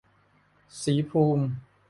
ศรีภูมิ